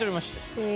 へえ。